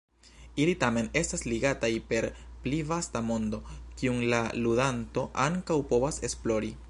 Ili tamen estas ligataj per pli vasta mondo, kiun la ludanto ankaŭ povas esplori.